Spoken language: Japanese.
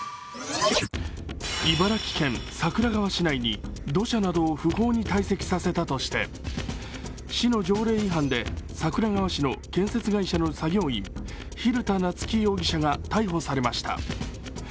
茨城県桜川市内に、土砂などを不法にたい積させたとして市の条例違反で桜川市の建設会社の作業員、蛭田夏樹容疑者が逮捕されました。